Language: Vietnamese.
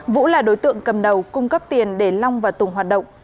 vũ là đối tượng cầm đầu cung cấp tiền để long và tùng hoạt động